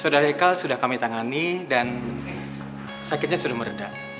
saudara ikal sudah kami tangani dan sakitnya sudah meredah